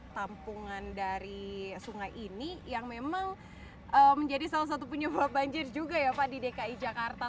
tampungan dari sungai ini yang memang menjadi salah satu penyebab banjir juga ya pak di dki jakarta